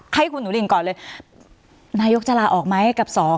ให้คุณหนูรินก่อนเลยนายกจะลาออกไหมกับสอง